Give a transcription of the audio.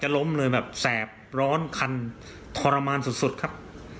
สำคัญทรมานสุดครับ